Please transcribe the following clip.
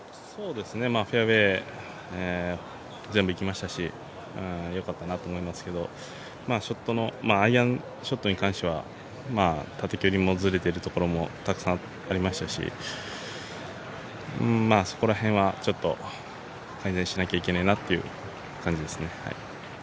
フェアウエー全部いきましたし良かったなと思いますけどショットのアイアンショットに関しては縦距離もずれているところもたくさんありましたしそこら辺はちょっと、改善しなきゃいけないなという感じですね。